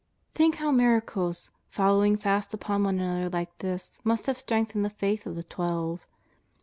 Think how miracles, following fast upon one another like this, must have strengthened the faith of the Twelve.